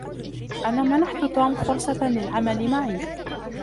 أنا منحت توم فرصة للعمل معي.